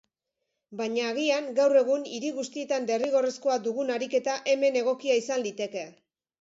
Baina agian gaur egun hiri guztietan derrigorrezkoa dugun ariketa hemen egokia izan liteke.